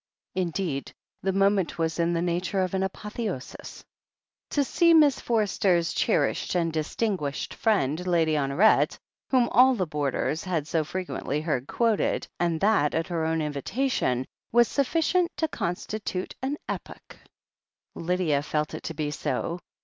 Indeed, the moment was in the nature of an apotheosis. To see Miss Forster's cherished and distinguished friend, Lady Honoret, whom all the boarders had |SO THE HEEL OF ACHILLES 211 frequently heard quoted, and that at her own invitation, was sufficient to constitute an epoch. Lydia felt it to be so.